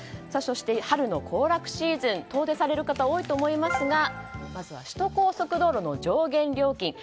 そして、春の行楽シーズン遠出される方が多いと思いますがまずは首都高速道路の上限料金。